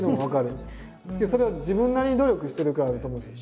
けどそれは自分なりに努力してるからだと思うんですよ。